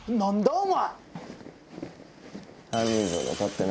お前。